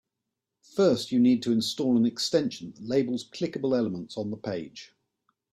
First, you need to install an extension that labels clickable elements on the page.